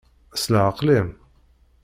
S leɛqel-im.